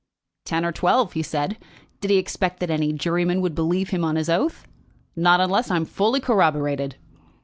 "Ten or twelve," he said. Did he expect that any juryman would believe him on his oath? "Not unless I am fully corroborated."